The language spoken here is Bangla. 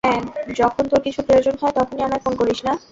হ্যাঁ, যখন তোর কিছু প্রয়োজন হয়, তখনই আমায় ফোন করিস, না?